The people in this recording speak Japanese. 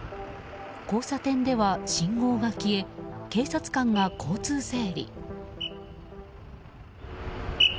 交差点では信号が消え警察官が交通整理。